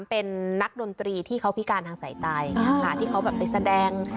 เป็นนักดนตรีที่เขาพิการทางสายตายที่เขาไปแสดง